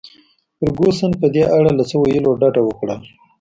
فرګوسن په دې اړه له څه ویلو ډډه وکړل.